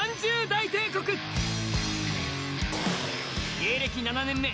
芸歴７年目。